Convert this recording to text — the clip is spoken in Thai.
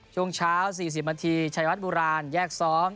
ช่วงเช้า๔๐นาทีชัยวัดโบราณแยกซ้อม